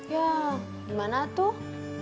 ya gimana atuh